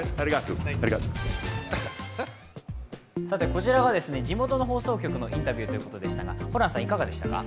こちらが地元の放送局のインタビューということでしたがホランさん、いかがでしたか？